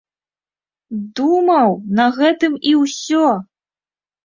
Думаў, на гэтым і ўсё!